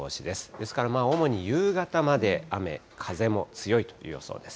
ですから主に夕方まで雨、風も強い予想です。